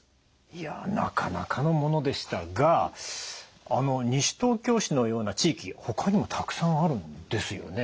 いやなかなかのものでしたが西東京市のような地域ほかにもたくさんあるんですよね。